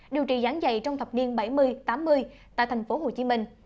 điều trị gián dạy trong thập niên bảy mươi tám mươi tại thành phố hồ chí minh